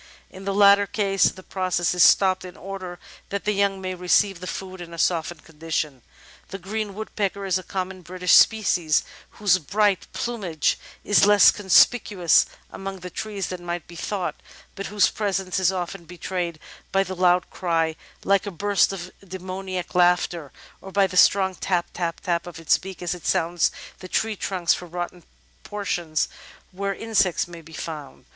In the latter case, the process is stopped in order that the young may receive the food in a softened condition. The Green Woodpecker is a common British species, whose bright plumage is less conspicuous among the trees than might be thought, but whose presence is often betrayed by the loud cry — ^like a burst of demoniac laughter — or by the strong "tap, tap, tap" of its beak as it sounds the tree trunks for rotten por tions where insects may be found.